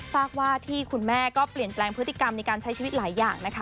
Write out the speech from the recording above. ฝากว่าที่คุณแม่ก็เปลี่ยนแปลงพฤติกรรมในการใช้ชีวิตหลายอย่างนะคะ